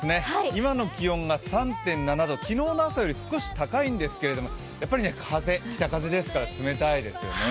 今の気温が３．７度、昨日の朝より少し高いんですけれども、やっぱり北風ですから寒いですね。